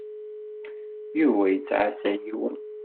Yuba yettɛassa yiwen.